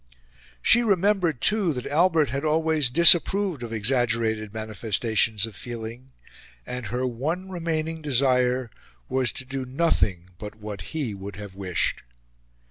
She remembered, too, that Albert had always disapproved of exaggerated manifestations of feeling, and her one remaining desire was to do nothing but what he would have wished.